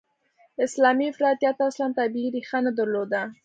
اسلامي افراطیت اصلاً طبیعي ریښه نه درلوده.